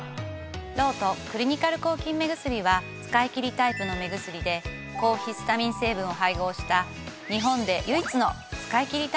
ロートクリニカル抗菌目薬は使いきりタイプの目薬で抗ヒスタミン成分を配合した日本で唯一の使いきりタイプの抗菌目薬なんです。